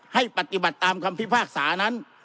ให้ปฏิบัติตามคำพิพากษานั้น